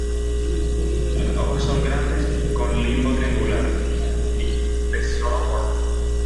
Las hojas son grandes con limbo triangular y peciolo corto.